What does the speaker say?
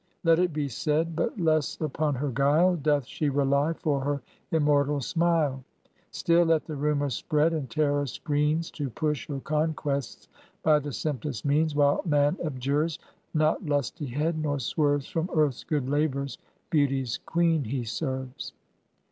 Let it be said, But less upon her guile Doth she rely for her immortal smile. Still let the rumour spread, and terror screens To push her conquests by the simplest means. While man abjures not lustihead, nor swerves From earth's good labours, Beauty's Queen he serves.